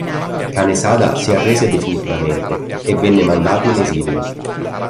Kanesada si arrese definitivamente e venne mandato in esilio.